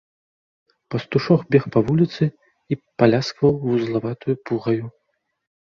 Пастушок бег па вуліцы і паляскваў вузлаватаю пугаю.